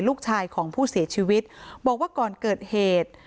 ลูกชายของผู้เสียชีวิตบอกว่าก่อนเกิดเหตุ